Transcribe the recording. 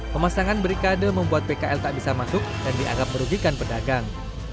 pemasangan berikade membuat pkl tak bisa masuk dan dianggap merugikan pedagang